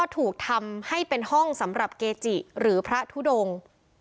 ถูกทำให้เป็นห้องสำหรับเกจิหรือพระทุดง